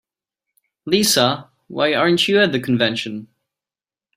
Lisa, why aren't you at the convention?